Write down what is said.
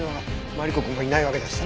マリコくんもいないわけだし。